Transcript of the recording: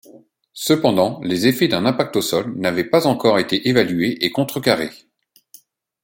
Cependant, les effets d'un impact au sol n'avait pas encore été évalués et contrecarrés.